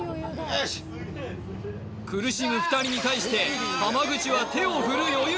よし苦しむ２人に対して浜口は手を振る余裕